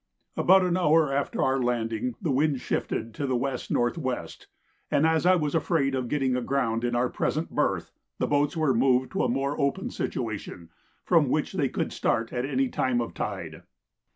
About an hour after our landing the wind shifted to W.N.W., and, as I was afraid of getting aground in our present berth, the boats were moved to a more open situation from which they could start at any time of tide.